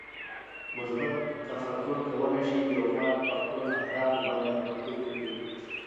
مثبت تفکر کولی شي چې یو فرد پر خپلو اهدافو باندې تمرکز وکړي.